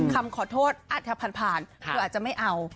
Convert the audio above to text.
คำขอโทษอาจจะผ่านเธออาจจะไม่เอา